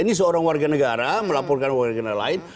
ini seorang warga negara melaporkan warga negara lain